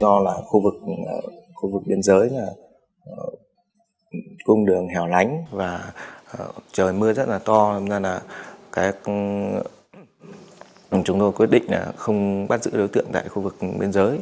do là khu vực khu vực biên giới là cung đường hẻo lánh và trời mưa rất là to nên là chúng tôi quyết định là không bắt giữ đối tượng tại khu vực biên giới